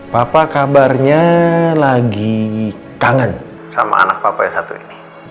papa kabarnya lagi kangen sama anak papa yang satu ini